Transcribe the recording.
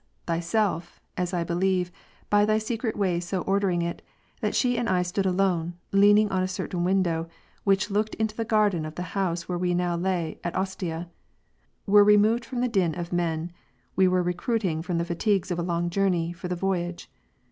Thyself, as I believe, by Thy secret ways so ordering it, that she and I stood alone, leaning in a certain window, which looked into the garden of the house where we now lay, at Ostia; where removed from the din of men, we were recruiting from the fatigues of a long journey, for the voyage.